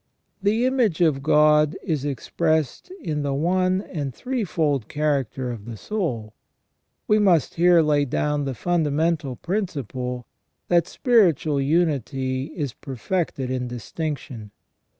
The image of God is expressed in the one and threefold character of the soul. We must here lay down the fundamental principle, that spiritual unity is perfected in distinction.